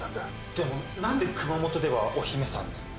でも何で熊本ではお姫さんに？